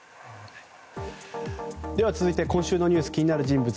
続いて今週のニュース気になる人物